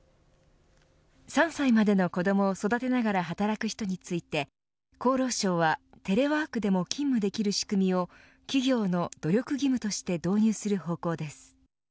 ３歳までの子どもを育てながら働く人について厚労省は、テレワークでも勤務できる仕組みを企業の努力義務として導入する方向です。